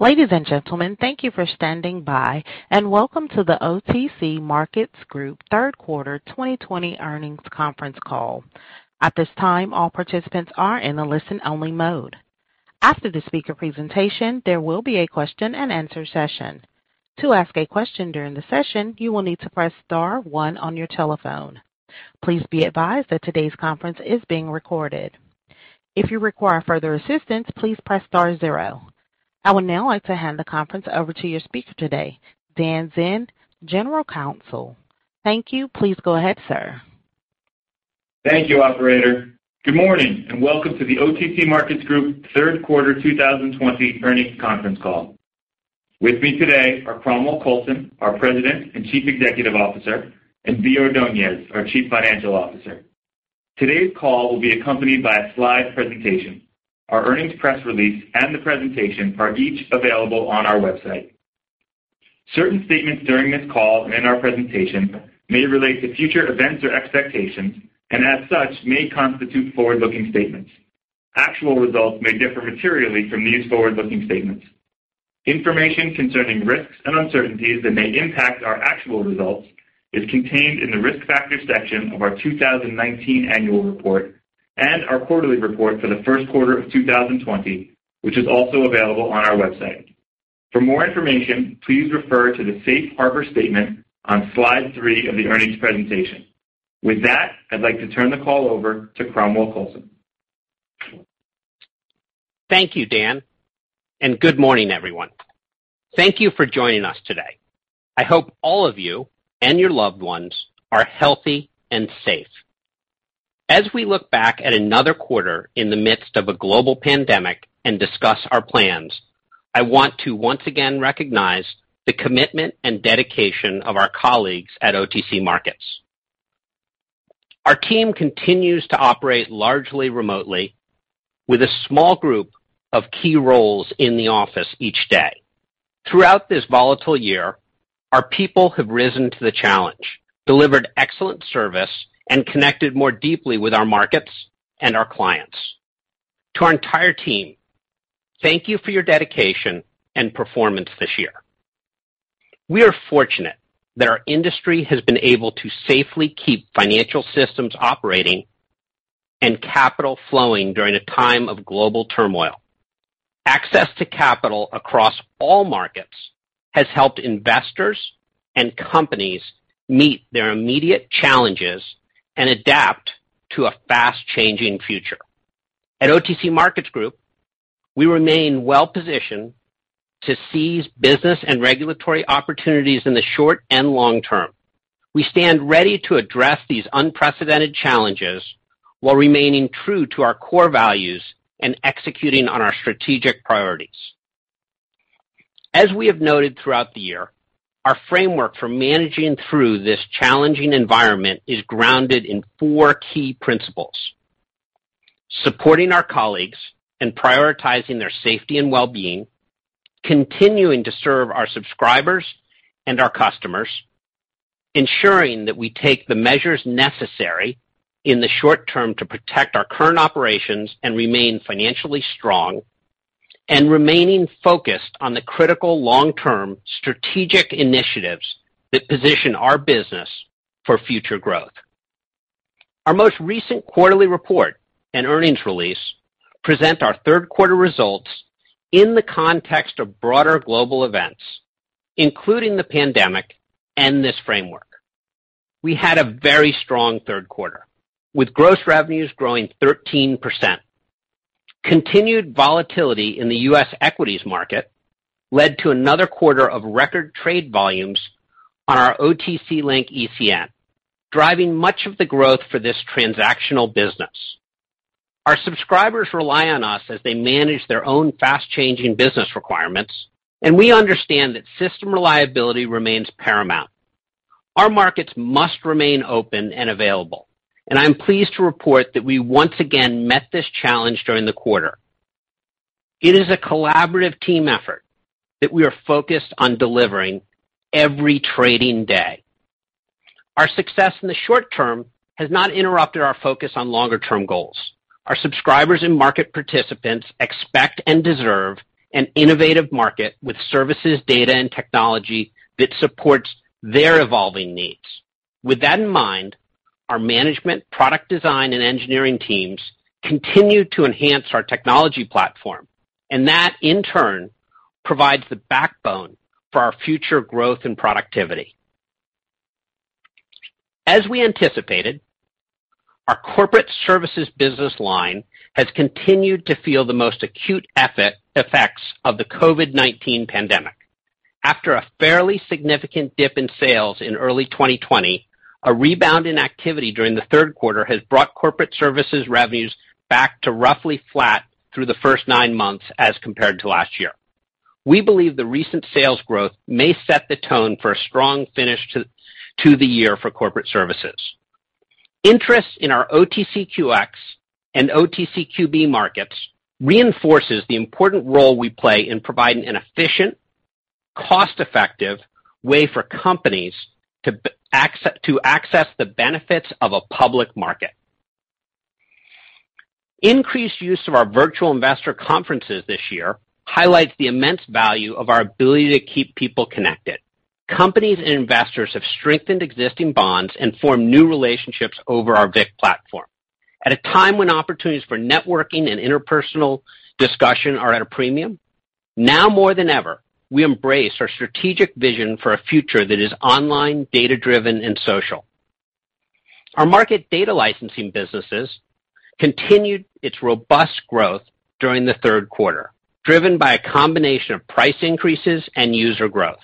Ladies and gentlemen, thank you for standing by, and welcome to the OTC Markets Group Third Quarter 2020 earnings conference call. At this time, all participants are in a listen-only mode. After the speaker presentation, there will be a question-and-answer session. To ask a question during the session, you will need to press star one on your telephone. Please be advised that today's conference is being recorded. If you require further assistance, please press star zero. I would now like to hand the conference over to your speaker today, Dan Zinn, General Counsel. Thank you. Please go ahead, sir. Thank you, Operator. Good morning and welcome to the OTC Markets Group third quarter 2020 earnings conference call. With me today are Cromwell Coulson, our President and Chief Executive Officer, and Bea Ordonez, our Chief Financial Officer. Today's call will be accompanied by a slide presentation. Our earnings press release and the presentation are each available on our website. Certain statements during this call and in our presentation may relate to future events or expectations, and as such, may constitute forward-looking statements. Actual results may differ materially from these forward-looking statements. Information concerning risks and uncertainties that may impact our actual results is contained in the risk factor section of our 2019 annual report and our quarterly report for the first quarter of 2020, which is also available on our website. For more information, please refer to the safe harbor statement on slide three of the earnings presentation. With that, I'd like to turn the call over to Cromwell Coulson. Thank you, Dan, and good morning, everyone. Thank you for joining us today. I hope all of you and your loved ones are healthy and safe. As we look back at another quarter in the midst of a global pandemic and discuss our plans, I want to once again recognize the commitment and dedication of our colleagues at OTC Markets. Our team continues to operate largely remotely, with a small group of key roles in the office each day. Throughout this volatile year, our people have risen to the challenge, delivered excellent service, and connected more deeply with our markets and our clients. To our entire team, thank you for your dedication and performance this year. We are fortunate that our industry has been able to safely keep financial systems operating and capital flowing during a time of global turmoil. Access to capital across all markets has helped investors and companies meet their immediate challenges and adapt to a fast-changing future. At OTC Markets Group, we remain well-positioned to seize business and regulatory opportunities in the short and long term. We stand ready to address these unprecedented challenges while remaining true to our core values and executing on our strategic priorities. As we have noted throughout the year, our framework for managing through this challenging environment is grounded in four key principles: supporting our colleagues and prioritizing their safety and well-being, continuing to serve our subscribers and our customers, ensuring that we take the measures necessary in the short term to protect our current operations and remain financially strong, and remaining focused on the critical long-term strategic initiatives that position our business for future growth. Our most recent quarterly report and earnings release present our third quarter results in the context of broader global events, including the pandemic and this framework. We had a very strong third quarter, with gross revenues growing 13%. Continued volatility in the U.S. equities market led to another quarter of record trade volumes on our OTC Link ECN, driving much of the growth for this transactional business. Our subscribers rely on us as they manage their own fast-changing business requirements, and we understand that system reliability remains paramount. Our markets must remain open and available, and I'm pleased to report that we once again met this challenge during the quarter. It is a collaborative team effort that we are focused on delivering every trading day. Our success in the short term has not interrupted our focus on longer-term goals. Our subscribers and market participants expect and deserve an innovative market with services, data, and technology that supports their evolving needs. With that in mind, our management, product design, and engineering teams continue to enhance our technology platform, and that, in turn, provides the backbone for our future growth and productivity. As we anticipated, our corporate services business line has continued to feel the most acute effects of the COVID-19 pandemic. After a fairly significant dip in sales in early 2020, a rebound in activity during the third quarter has brought corporate services revenues back to roughly flat through the first nine months as compared to last year. We believe the recent sales growth may set the tone for a strong finish to the year for corporate services. Interest in our OTC QX and OTC QB markets reinforces the important role we play in providing an efficient, cost-effective way for companies to access the benefits of a public market. Increased use of our Virtual Investor Conferences this year highlights the immense value of our ability to keep people connected. Companies and investors have strengthened existing bonds and formed new relationships over our VIC platform. At a time when opportunities for networking and interpersonal discussion are at a premium, now more than ever, we embrace our strategic vision for a future that is online, data-driven, and social. Our market data licensing businesses continued its robust growth during the third quarter, driven by a combination of price increases and user growth.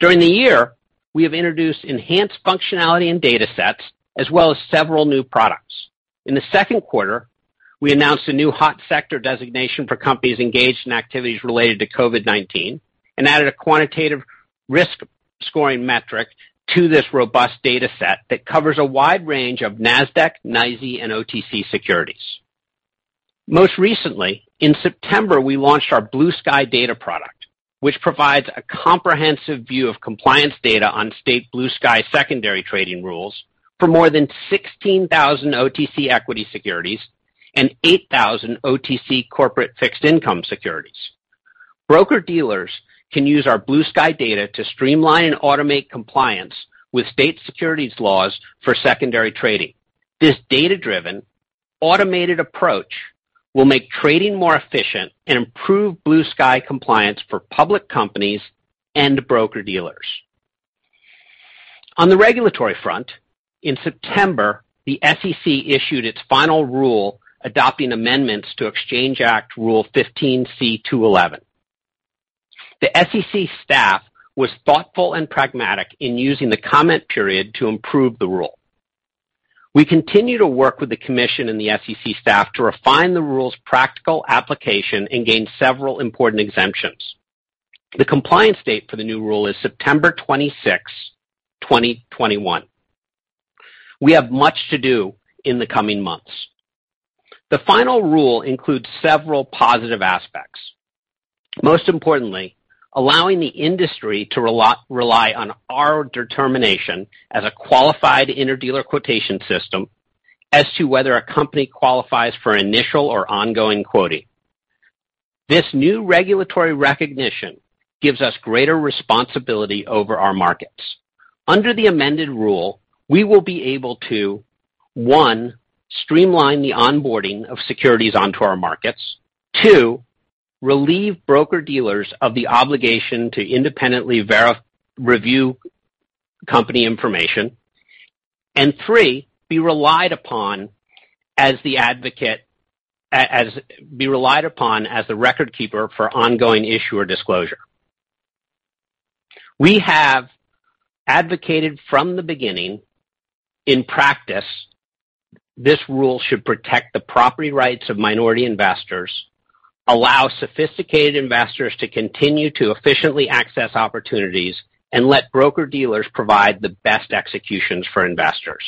During the year, we have introduced enhanced functionality and data sets, as well as several new products. In the second quarter, we announced a new hot sector designation for companies engaged in activities related to COVID-19 and added a quantitative risk scoring metric to this robust data set that covers a wide range of NASDAQ, NYSE, and OTC securities. Most recently, in September, we launched our BlueSky data product, which provides a comprehensive view of compliance data on state BlueSky secondary trading rules for more than 16,000 OTC equity securities and 8,000 OTC corporate fixed income securities. Broker-dealers can use our BlueSky data to streamline and automate compliance with state securities laws for secondary trading. This data-driven, automated approach will make trading more efficient and improve BlueSky compliance for public companies and broker-dealers. On the regulatory front, in September, the SEC issued its final rule adopting amendments to Exchange Act Rule 15c2-11. The SEC staff was thoughtful and pragmatic in using the comment period to improve the rule. We continue to work with the commission and the SEC staff to refine the rule's practical application and gain several important exemptions. The compliance date for the new rule is September 26th, 2021. We have much to do in the coming months. The final rule includes several positive aspects. Most importantly, allowing the industry to rely on our determination as a qualified interdealer quotation system as to whether a company qualifies for initial or ongoing quoting. This new regulatory recognition gives us greater responsibility over our markets. Under the amended rule, we will be able to, one, streamline the onboarding of securities onto our markets, two, relieve broker-dealers of the obligation to independently review company information, and three, be relied upon as the record keeper for ongoing issuer disclosure. We have advocated from the beginning in practice this rule should protect the property rights of minority investors, allow sophisticated investors to continue to efficiently access opportunities, and let broker-dealers provide the best executions for investors.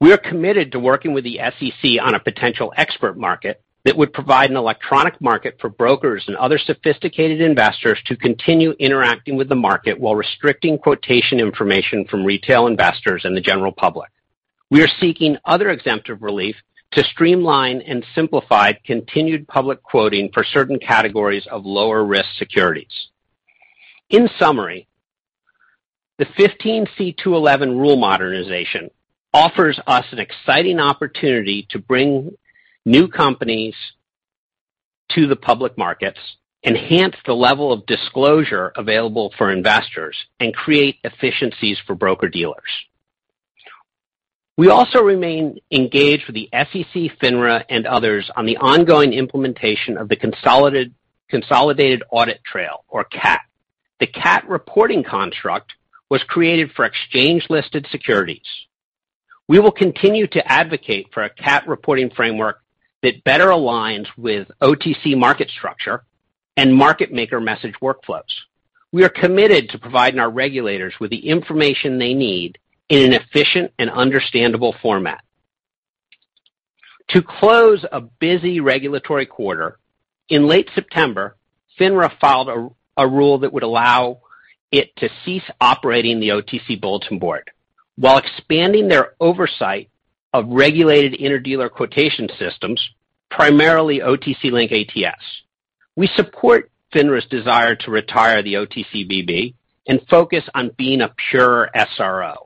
We are committed to working with the SEC on a potential expert market that would provide an electronic market for brokers and other sophisticated investors to continue interacting with the market while restricting quotation information from retail investors and the general public. We are seeking other exemptive relief to streamline and simplify continued public quoting for certain categories of lower-risk securities. In summary, the 15c2-11 rule modernization offers us an exciting opportunity to bring new companies to the public markets, enhance the level of disclosure available for investors, and create efficiencies for broker-dealers. We also remain engaged with the SEC, FINRA, and others on the ongoing implementation of the consolidated audit trail, or CAT. The CAT reporting construct was created for exchange-listed securities. We will continue to advocate for a CAT reporting framework that better aligns with OTC market structure and market maker message workflows. We are committed to providing our regulators with the information they need in an efficient and understandable format. To close a busy regulatory quarter, in late September, FINRA filed a rule that would allow it to cease operating the OTC bulletin board while expanding their oversight of regulated interdealer quotation systems, primarily OTC Link ATS. We support FINRA's desire to retire the OTC BB and focus on being a pure SRO.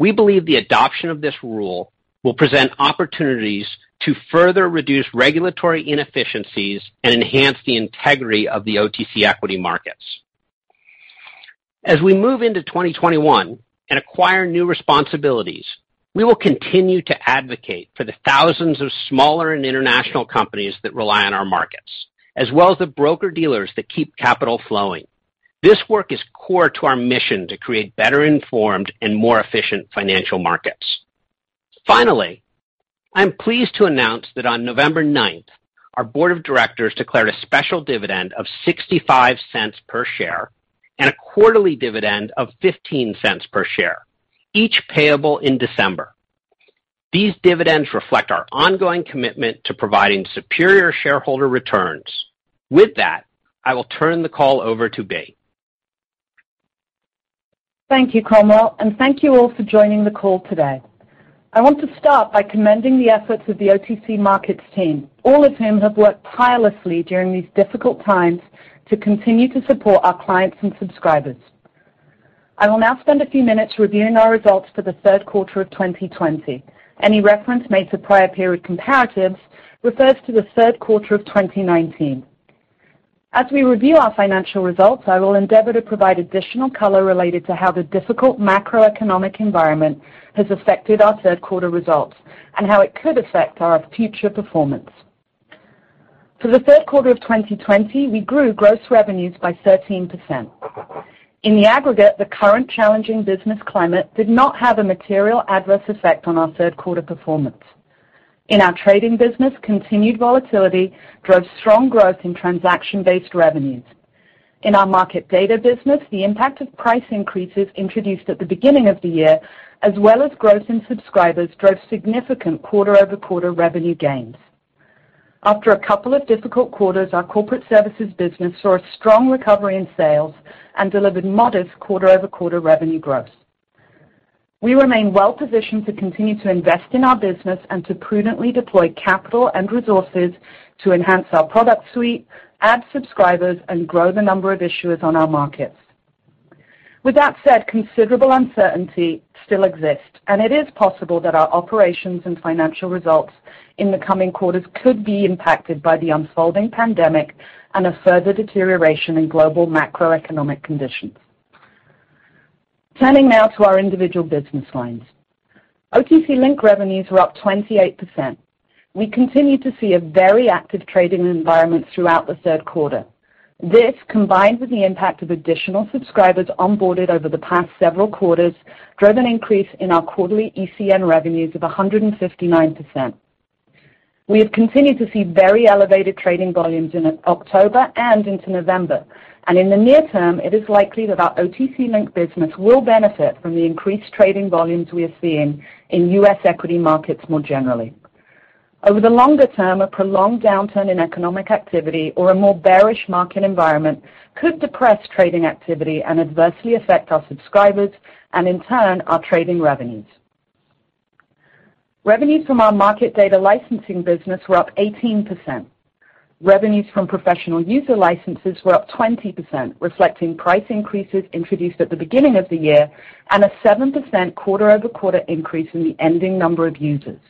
We believe the adoption of this rule will present opportunities to further reduce regulatory inefficiencies and enhance the integrity of the OTC equity markets. As we move into 2021 and acquire new responsibilities, we will continue to advocate for the thousands of smaller and international companies that rely on our markets, as well as the broker-dealers that keep capital flowing. This work is core to our mission to create better-informed and more efficient financial markets. Finally, I'm pleased to announce that on November 9th, our board of directors declared a special dividend of $0.65 per share and a quarterly dividend of $0.15 per share, each payable in December. These dividends reflect our ongoing commitment to providing superior shareholder returns. With that, I will turn the call over to Bea. Thank you, Cromwell. Thank you all for joining the call today. I want to start by commending the efforts of the OTC Markets team, all of whom have worked tirelessly during these difficult times to continue to support our clients and subscribers. I will now spend a few minutes reviewing our results for the third quarter of 2020. Any reference made to prior period comparatives refers to the third quarter of 2019. As we review our financial results, I will endeavor to provide additional color related to how the difficult macroeconomic environment has affected our third quarter results and how it could affect our future performance. For the third quarter of 2020, we grew gross revenues by 13%. In the aggregate, the current challenging business climate did not have a material adverse effect on our third quarter performance. In our trading business, continued volatility drove strong growth in transaction-based revenues. In our market data business, the impact of price increases introduced at the beginning of the year, as well as growth in subscribers, drove significant quarter-over-quarter revenue gains. After a couple of difficult quarters, our corporate services business saw a strong recovery in sales and delivered modest quarter-over-quarter revenue growth. We remain well-positioned to continue to invest in our business and to prudently deploy capital and resources to enhance our product suite, add subscribers, and grow the number of issuers on our markets. With that said, considerable uncertainty still exists, and it is possible that our operations and financial results in the coming quarters could be impacted by the unfolding pandemic and a further deterioration in global macroeconomic conditions. Turning now to our individual business lines, OTC Link revenues were up 28%. We continue to see a very active trading environment throughout the third quarter. This, combined with the impact of additional subscribers onboarded over the past several quarters, drove an increase in our quarterly ECN revenues of 159%. We have continued to see very elevated trading volumes in October and into November, and in the near term, it is likely that our OTC Link business will benefit from the increased trading volumes we are seeing in U.S. equity markets more generally. Over the longer term, a prolonged downturn in economic activity or a more bearish market environment could depress trading activity and adversely affect our subscribers and, in turn, our trading revenues. Revenues from our market data licensing business were up 18%. Revenues from professional user licenses were up 20%, reflecting price increases introduced at the beginning of the year and a 7% quarter-over-quarter increase in the ending number of users.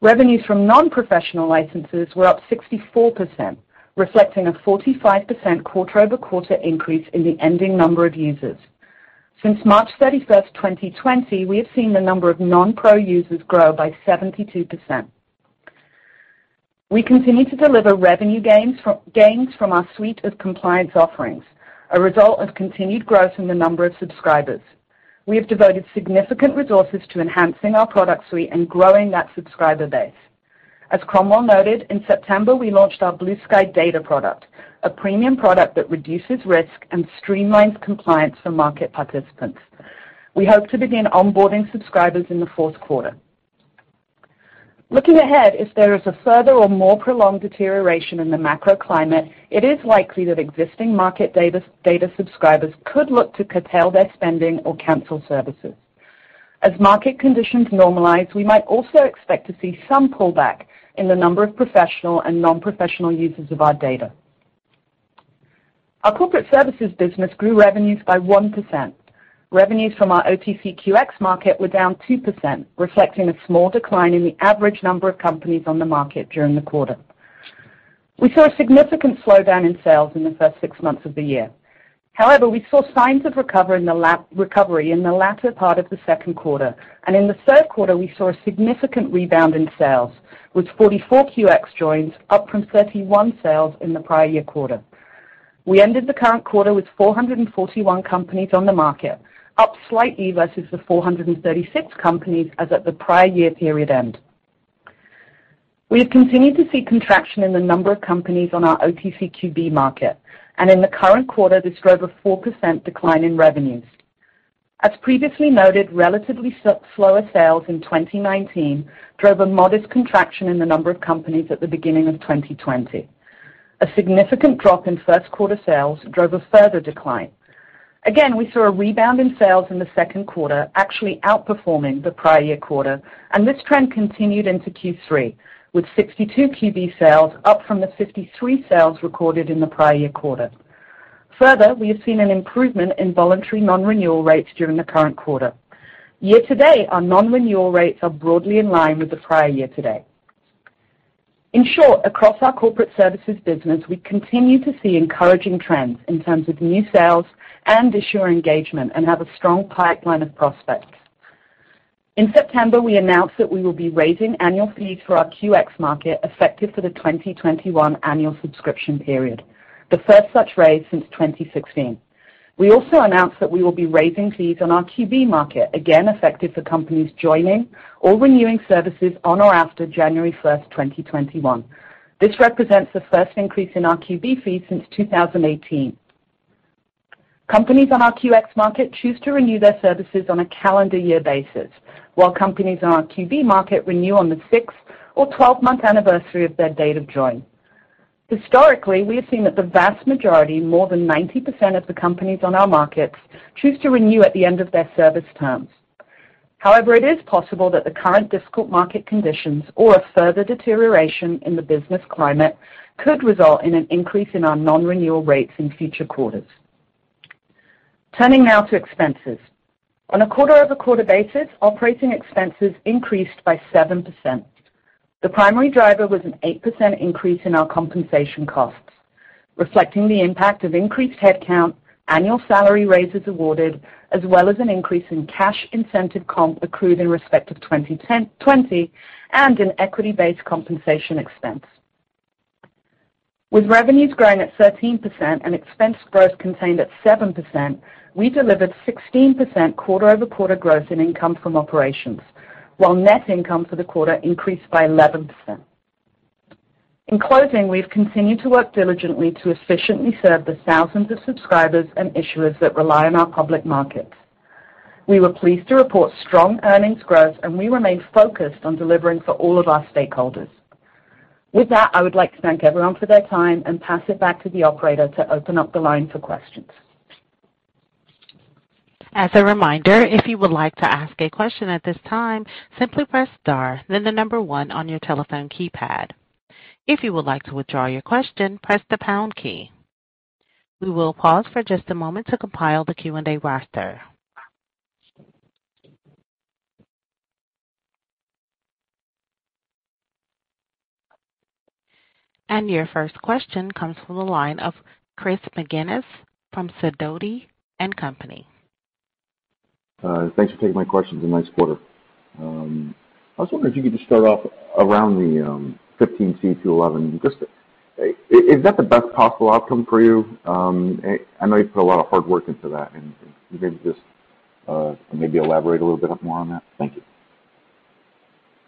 Revenues from non-professional licenses were up 64%, reflecting a 45% quarter-over-quarter increase in the ending number of users. Since March 31st, 2020, we have seen the number of non-pro users grow by 72%. We continue to deliver revenue gains from our suite of compliance offerings, a result of continued growth in the number of subscribers. We have devoted significant resources to enhancing our product suite and growing that subscriber base. As Cromwell noted, in September, we launched our BlueSky data product, a premium product that reduces risk and streamlines compliance for market participants. We hope to begin onboarding subscribers in the fourth quarter. Looking ahead, if there is a further or more prolonged deterioration in the macro climate, it is likely that existing market data subscribers could look to curtail their spending or cancel services. As market conditions normalize, we might also expect to see some pullback in the number of professional and non-professional users of our data. Our corporate services business grew revenues by 1%. Revenues from our OTC QX market were down 2%, reflecting a small decline in the average number of companies on the market during the quarter. We saw a significant slowdown in sales in the first six months of the year. However, we saw signs of recovery in the latter part of the second quarter, and in the third quarter, we saw a significant rebound in sales, with 44 QX joins, up from 31 sales in the prior year quarter. We ended the current quarter with 441 companies on the market, up slightly versus the 436 companies as at the prior year period end. We have continued to see contraction in the number of companies on our OTC QB market, and in the current quarter, this drove a 4% decline in revenues. As previously noted, relatively slower sales in 2019 drove a modest contraction in the number of companies at the beginning of 2020. A significant drop in first quarter sales drove a further decline. Again, we saw a rebound in sales in the second quarter, actually outperforming the prior year quarter, and this trend continued into Q3, with 62 QB sales, up from the 53 sales recorded in the prior year quarter. Further, we have seen an improvement in voluntary non-renewal rates during the current quarter. Year to date, our non-renewal rates are broadly in line with the prior year to date. In short, across our corporate services business, we continue to see encouraging trends in terms of new sales and issuer engagement and have a strong pipeline of prospects. In September, we announced that we will be raising annual fees for our QX market, effective for the 2021 annual subscription period, the first such raise since 2016. We also announced that we will be raising fees on our QB market, again effective for companies joining or renewing services on or after January 1st, 2021. This represents the first increase in our QB fees since 2018. Companies on our QX market choose to renew their services on a calendar year basis, while companies on our QB market renew on the 6th or 12-month anniversary of their date of join. Historically, we have seen that the vast majority, more than 90% of the companies on our markets, choose to renew at the end of their service terms. However, it is possible that the current difficult market conditions or a further deterioration in the business climate could result in an increase in our non-renewal rates in future quarters. Turning now to expenses. On a quarter-over-quarter basis, operating expenses increased by 7%. The primary driver was an 8% increase in our compensation costs, reflecting the impact of increased headcount, annual salary raises awarded, as well as an increase in cash incentive comp accrued in respect of 2020 and an equity-based compensation expense. With revenues growing at 13% and expense growth contained at 7%, we delivered 16% quarter-over-quarter growth in income from operations, while net income for the quarter increased by 11%. In closing, we have continued to work diligently to efficiently serve the thousands of subscribers and issuers that rely on our public markets. We were pleased to report strong earnings growth, and we remain focused on delivering for all of our stakeholders. With that, I would like to thank everyone for their time and pass it back to the operator to open up the line for questions. As a reminder, if you would like to ask a question at this time, simply press star, then the number one on your telephone keypad. If you would like to withdraw your question, press the pound key. We will pause for just a moment to compile the Q&A roster. Your first question comes from the line of Chris McGinnis from Sidoti & Company. Thanks for taking my questions. A nice quarter. I was wondering if you could just start off around the 15c2-11. Is that the best possible outcome for you? I know you put a lot of hard work into that. You maybe just maybe elaborate a little bit more on that. Thank you.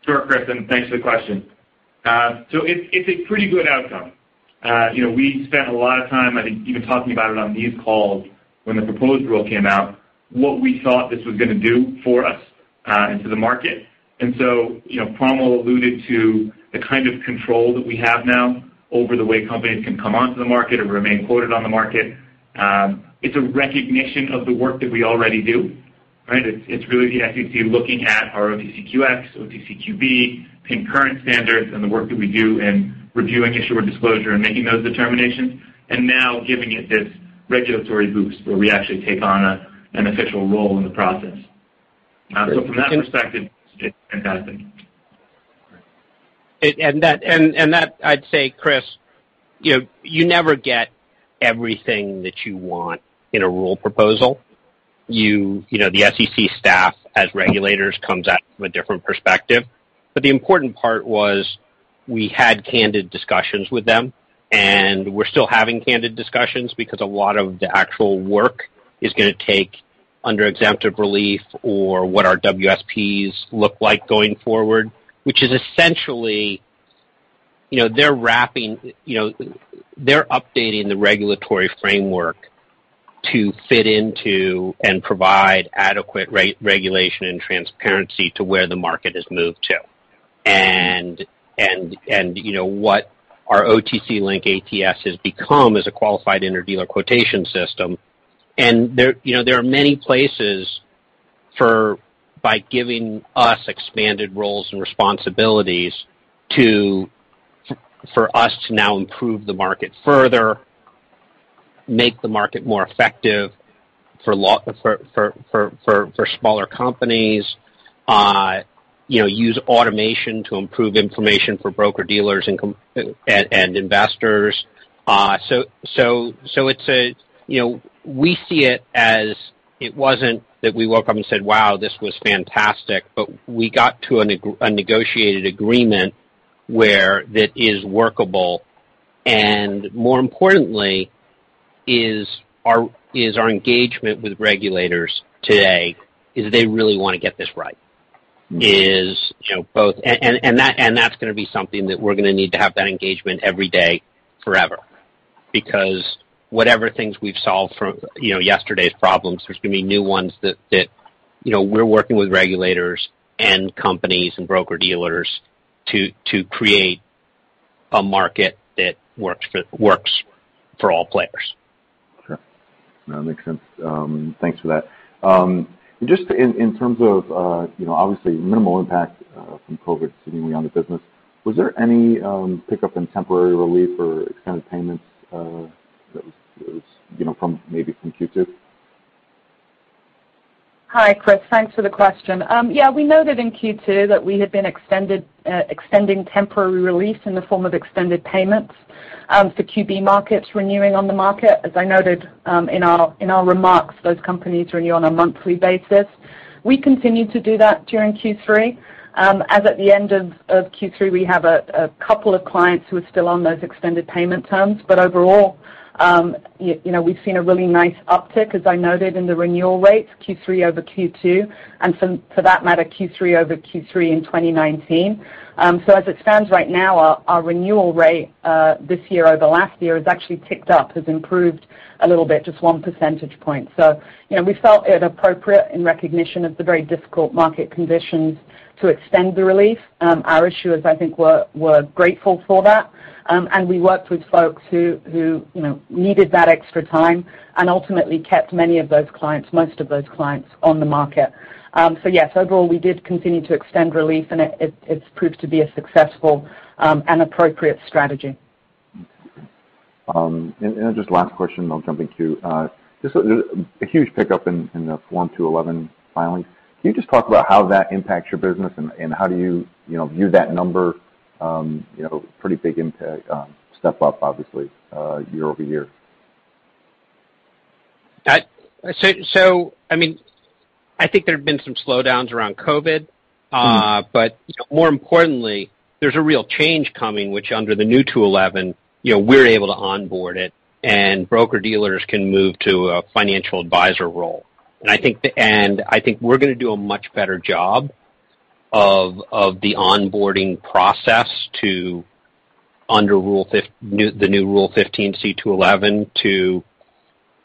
Sure, Chris. Thanks for the question. It's a pretty good outcome. We spent a lot of time, I think, even talking about it on these calls when the proposed rule came out, what we thought this was going to do for us and to the market. Cromwell alluded to the kind of control that we have now over the way companies can come onto the market or remain quoted on the market. It's a recognition of the work that we already do. It's really the FTC looking at our OTC QX, OTC QB, concurrent standards, and the work that we do in reviewing issuer disclosure and making those determinations, and now giving it this regulatory boost where we actually take on an official role in the process. From that perspective, it's fantastic. I'd say, Chris, you never get everything that you want in a rule proposal. The FTC staff, as regulators, comes at it from a different perspective. The important part was we had candid discussions with them, and we're still having candid discussions because a lot of the actual work is going to take under exemptive relief or what our WSPs look like going forward, which is essentially they're wrapping, they're updating the regulatory framework to fit into and provide adequate regulation and transparency to where the market has moved to and what our OTC Link ATS has become as a qualified interdealer quotation system. There are many places for by giving us expanded roles and responsibilities for us to now improve the market further, make the market more effective for smaller companies, use automation to improve information for broker-dealers and investors. We see it as it wasn't that we woke up and said, "Wow, this was fantastic," but we got to a negotiated agreement where that is workable. More importantly, our engagement with regulators today is they really want to get this right. That is going to be something that we're going to need to have that engagement every day forever because whatever things we've solved from yesterday's problems, there's going to be new ones that we're working with regulators and companies and broker-dealers to create a market that works for all players. Sure. That makes sense. Thanks for that. Just in terms of, obviously, minimal impact from COVID sitting way on the business, was there any pickup in temporary relief or extended payments that was from maybe from Q2? Hi, Chris. Thanks for the question. Yeah, we noted in Q2 that we had been extending temporary relief in the form of extended payments for QB markets renewing on the market. As I noted in our remarks, those companies renew on a monthly basis. We continue to do that during Q3. As at the end of Q3, we have a couple of clients who are still on those extended payment terms, but overall, we've seen a really nice uptick, as I noted, in the renewal rates, Q3 over Q2, and for that matter, Q3 over Q3 in 2019. As it stands right now, our renewal rate this year over last year has actually ticked up, has improved a little bit, just one percentage point. We felt it appropriate in recognition of the very difficult market conditions to extend the relief. Our issuers, I think, were grateful for that, and we worked with folks who needed that extra time and ultimately kept many of those clients, most of those clients, on the market. Yes, overall, we did continue to extend relief, and it has proved to be a successful and appropriate strategy. Just last question, I'll jump in too. Just a huge pickup in the Form 211 filings. Can you just talk about how that impacts your business and how do you view that number? Pretty big step up, obviously, year-over-year. I mean, I think there have been some slowdowns around COVID, but more importantly, there's a real change coming, which under the new 211, we're able to onboard it, and broker-dealers can move to a financial advisor role. I think we're going to do a much better job of the onboarding process too under the new Rule 15c2-11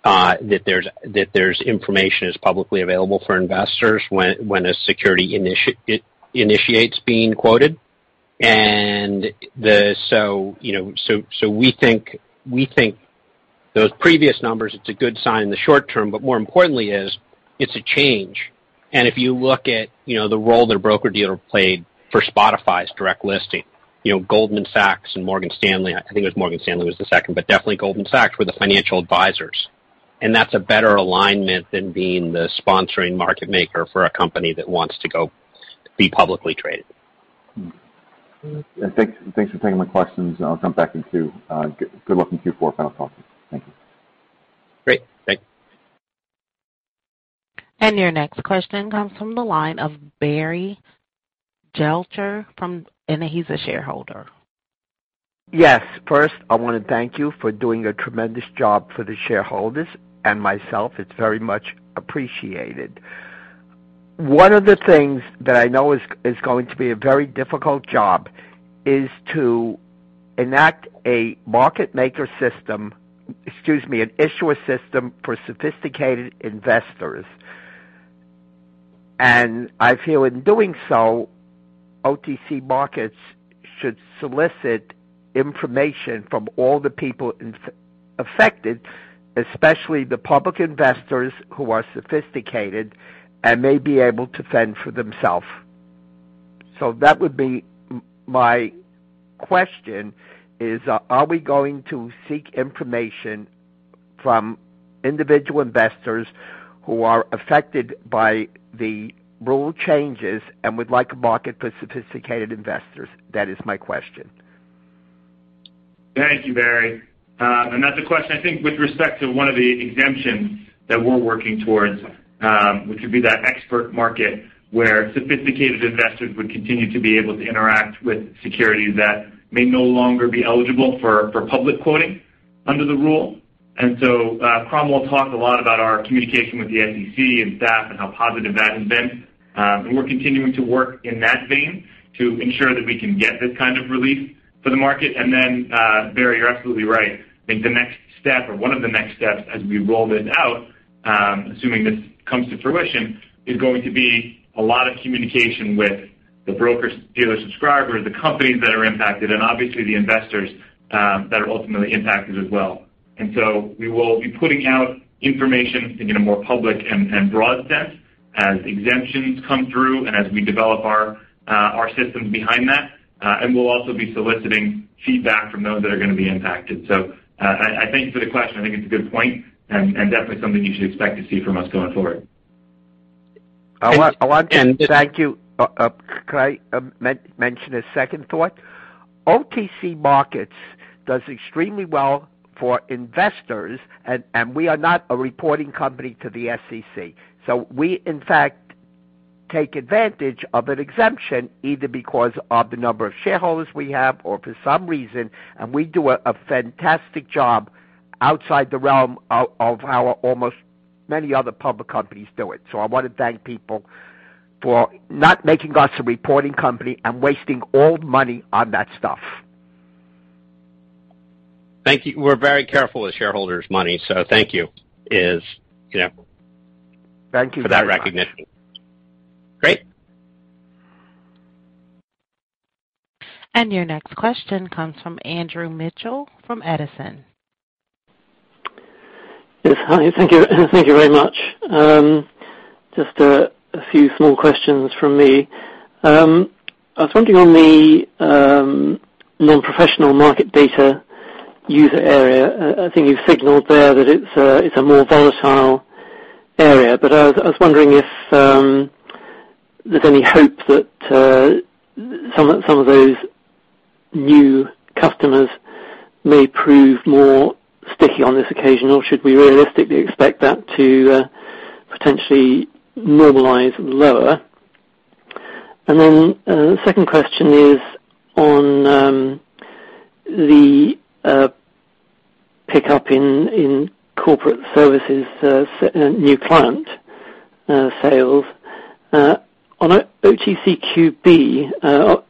that there's information that's publicly available for investors when a security initiates being quoted. We think those previous numbers, it's a good sign in the short term, but more importantly is it's a change. If you look at the role that a broker-dealer played for Spotify's direct listing, Goldman Sachs and Morgan Stanley, I think it was Morgan Stanley was the second, but definitely Goldman Sachs were the financial advisors. That is a better alignment than being the sponsoring market maker for a company that wants to go be publicly traded. Thanks for taking my questions. I'll jump back in Q. Good luck in Q4 final talks. Thank you. Great. Thanks. Your next question comes from the line of, and he's a shareholder. Yes. First, I want to thank you for doing a tremendous job for the shareholders and myself. It's very much appreciated. One of the things that I know is going to be a very difficult job is to enact a market maker system, excuse me, an issuer system for sophisticated investors. I feel in doing so, OTC Markets should solicit information from all the people affected, especially the public investors who are sophisticated and may be able to fend for themselves. That would be my question: are we going to seek information from individual investors who are affected by the rule changes and would like a market for sophisticated investors? That is my question. Thank you, Barry. That is a question, I think, with respect to one of the exemptions that we are working towards, which would be that expert market where sophisticated investors would continue to be able to interact with securities that may no longer be eligible for public quoting under the rule. Cromwell talked a lot about our communication with the FTC and staff and how positive that has been. We are continuing to work in that vein to ensure that we can get this kind of relief for the market. Barry, you are absolutely right. I think the next step, or one of the next steps, as we roll this out, assuming this comes to fruition, is going to be a lot of communication with the brokers, dealers, subscribers, the companies that are impacted, and obviously the investors that are ultimately impacted as well. We will be putting out information in a more public and broad sense as exemptions come through and as we develop our systems behind that. We will also be soliciting feedback from those that are going to be impacted. I thank you for the question. I think it's a good point and definitely something you should expect to see from us going forward. I want to thank you. Could I mention a second thought? OTC Markets do extremely well for investors, and we are not a reporting company to the FTC. We, in fact, take advantage of an exemption either because of the number of shareholders we have or for some reason, and we do a fantastic job outside the realm of how almost many other public companies do it. I want to thank people for not making us a reporting company and wasting all money on that stuff. Thank you. We're very careful with shareholders' money, so thank you for that recognition. Thank you very much. Great. Your next question comes from Andrew Mitchell from Edison. Yes. Hi. Thank you very much. Just a few small questions from me. I was wondering on the non-professional market data user area, I think you've signaled there that it's a more volatile area, but I was wondering if there's any hope that some of those new customers may prove more sticky on this occasion, or should we realistically expect that to potentially normalize lower? The second question is on the pickup in corporate services, new client sales. On OTCQB,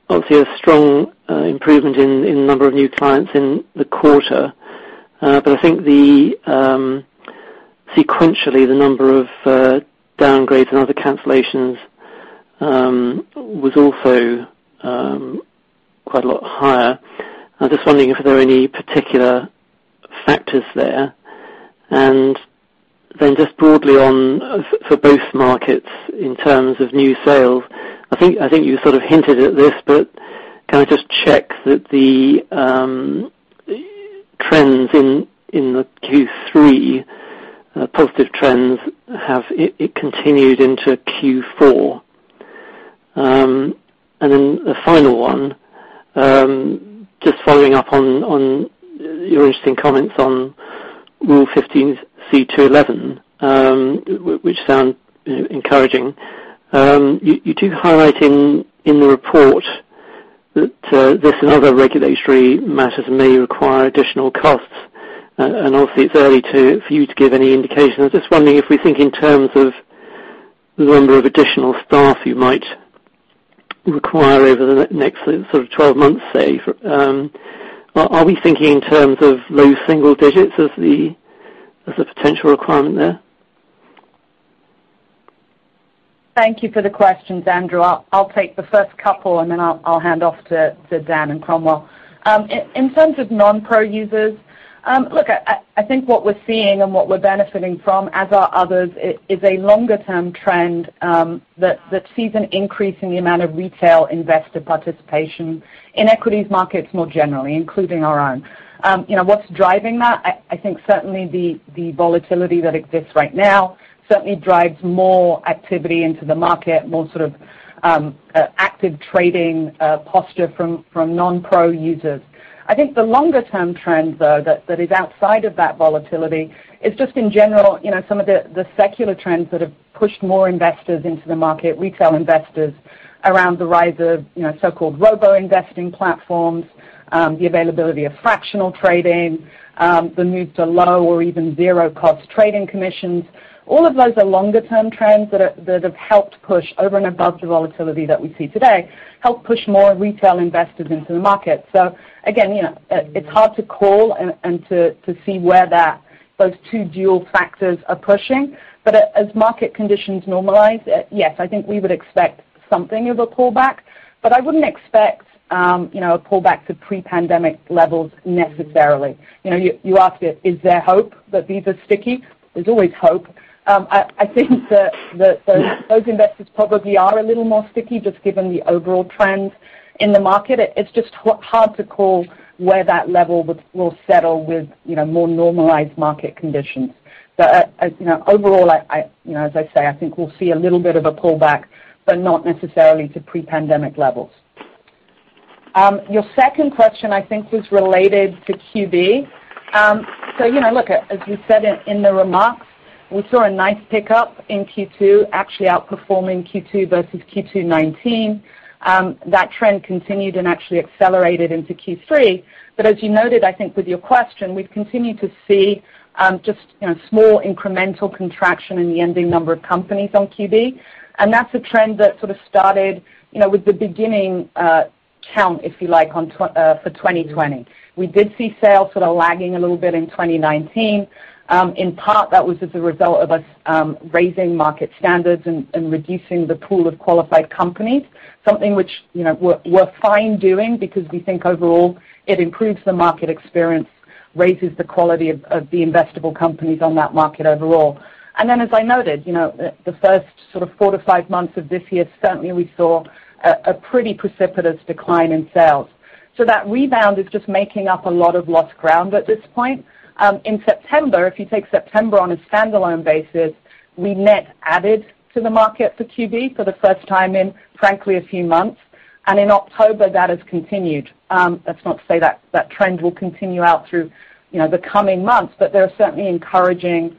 obviously a strong improvement in the number of new clients in the quarter, but I think sequentially the number of downgrades and other cancellations was also quite a lot higher. I'm just wondering if there are any particular factors there. Just broadly on for both markets in terms of new sales, I think you sort of hinted at this, but can I just check that the trends in the Q3, positive trends, have continued into Q4? The final one, just following up on your interesting comments on Rule 15c2-11, which sounds encouraging, you do highlight in the report that this and other regulatory matters may require additional costs. Obviously, it's early for you to give any indication. I'm just wondering if we think in terms of the number of additional staff you might require over the next sort of 12 months, say, are we thinking in terms of low single-digits as a potential requirement there? Thank you for the questions, Andrew. I'll take the first couple, and then I'll hand off to Dan and Cromwell. In terms of non-pro users, look, I think what we're seeing and what we're benefiting from, as are others, is a longer-term trend that sees an increase in the amount of retail investor participation in equities markets more generally, including our own. What's driving that? I think certainly the volatility that exists right now certainly drives more activity into the market, more sort of active trading posture from non-pro users. I think the longer-term trend, though, that is outside of that volatility is just in general, some of the secular trends that have pushed more investors into the market, retail investors, around the rise of so-called robo-investing platforms, the availability of fractional trading, the move to low or even zero-cost trading commissions. All of those are longer-term trends that have helped push over and above the volatility that we see today, help push more retail investors into the market. Again, it's hard to call and to see where those two dual factors are pushing, but as market conditions normalize, yes, I think we would expect something of a pullback, but I wouldn't expect a pullback to pre-pandemic levels necessarily. You asked, is there hope that these are sticky? There's always hope. I think that those investors probably are a little more sticky just given the overall trend in the market. It's just hard to call where that level will settle with more normalized market conditions. Overall, as I say, I think we'll see a little bit of a pullback, but not necessarily to pre-pandemic levels. Your second question, I think, was related to QB. As we said in the remarks, we saw a nice pickup in Q2, actually outperforming Q2 versus Q2 2019. That trend continued and actually accelerated into Q3. As you noted, I think with your question, we've continued to see just small incremental contraction in the ending number of companies on QB. That is a trend that sort of started with the beginning count, if you like, for 2020. We did see sales sort of lagging a little bit in 2019. In part, that was as a result of us raising market standards and reducing the pool of qualified companies, something which we're fine doing because we think overall it improves the market experience, raises the quality of the investable companies on that market overall. As I noted, the first sort of four to five months of this year, certainly we saw a pretty precipitous decline in sales. That rebound is just making up a lot of lost ground at this point. In September, if you take September on a standalone basis, we net added to the market for QB for the first time in, frankly, a few months. In October, that has continued. That is not to say that that trend will continue out through the coming months, but there are certainly encouraging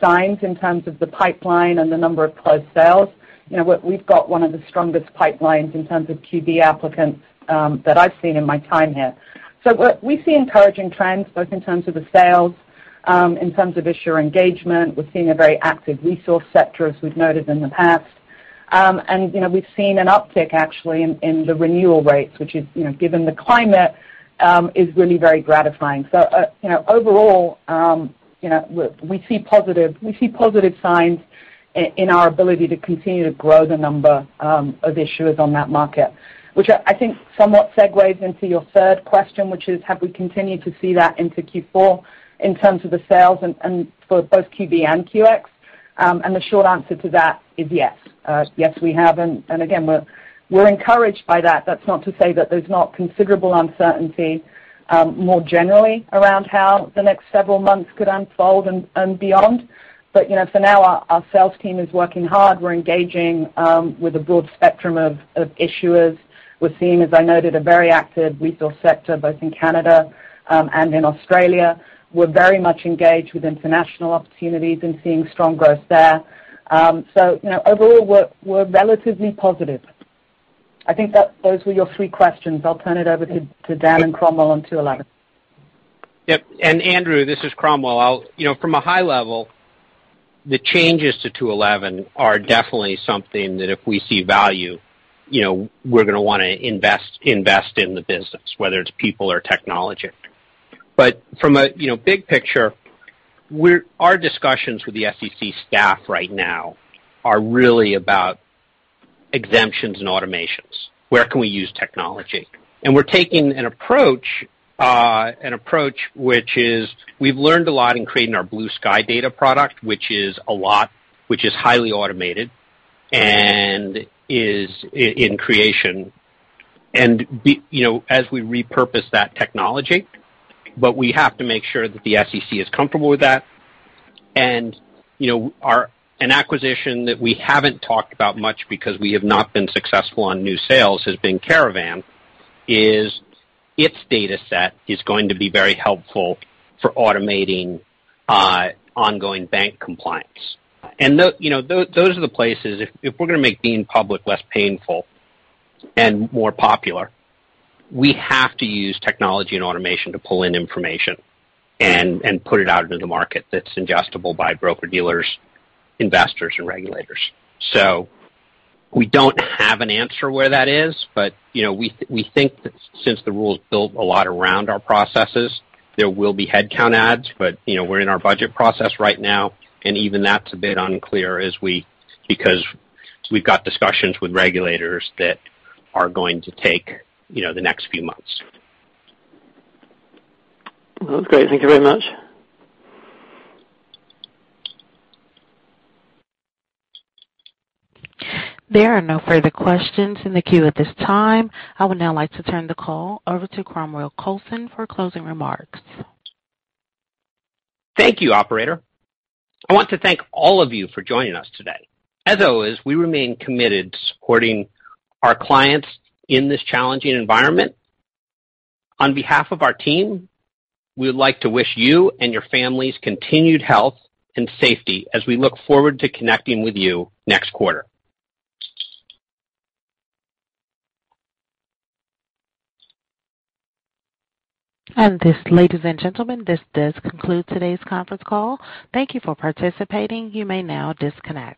signs in terms of the pipeline and the number of closed sales. We have got one of the strongest pipelines in terms of QB applicants that I have seen in my time here. We see encouraging trends both in terms of the sales, in terms of issuer engagement. We're seeing a very active resource sector, as we've noted in the past. We've seen an uptick, actually, in the renewal rates, which, given the climate, is really very gratifying. Overall, we see positive signs in our ability to continue to grow the number of issuers on that market, which I think somewhat segues into your third question, which is, have we continued to see that into Q4 in terms of the sales for both QB and QX? The short answer to that is yes. Yes, we have. Again, we're encouraged by that. That's not to say that there's not considerable uncertainty more generally around how the next several months could unfold and beyond. For now, our sales team is working hard. We're engaging with a broad spectrum of issuers. We're seeing, as I noted, a very active resource sector both in Canada and in Australia. We're very much engaged with international opportunities and seeing strong growth there. Overall, we're relatively positive. I think those were your three questions. I'll turn it over to Dan and Cromwell on 211. Yep. And Andrew, this is Cromwell. From a high level, the changes to 211 are definitely something that if we see value, we're going to want to invest in the business, whether it's people or technology. From a big picture, our discussions with the FTC staff right now are really about exemptions and automations. Where can we use technology? We're taking an approach which is we've learned a lot in creating our BlueSky data product, which is highly automated and is in creation. As we repurpose that technology, we have to make sure that the FTC is comfortable with that. An acquisition that we haven't talked about much because we have not been successful on new sales has been Caravan, as its dataset is going to be very helpful for automating ongoing bank compliance. Those are the places if we're going to make being public less painful and more popular, we have to use technology and automation to pull in information and put it out into the market that's ingestible by broker-dealers, investors, and regulators. We don't have an answer where that is, but we think that since the rules built a lot around our processes, there will be headcount adds, but we're in our budget process right now. Even that's a bit unclear because we've got discussions with regulators that are going to take the next few months. That was great. Thank you very much. There are no further questions in the queue at this time. I would now like to turn the call over to Cromwell Coulson for closing remarks. Thank you, operator. I want to thank all of you for joining us today. As always, we remain committed to supporting our clients in this challenging environment. On behalf of our team, we would like to wish you and your families continued health and safety as we look forward to connecting with you next quarter. Ladies and gentlemen, this does conclude today's conference call. Thank you for participating. You may now disconnect.